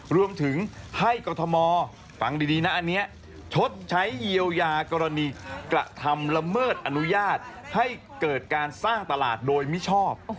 รวมถึงให้กรทมฟังดีนะอันนี้ชดใช้เยียวยากรณีกระทำละเมิดอนุญาตให้เกิดการสร้างตลาดโดยมิชอบ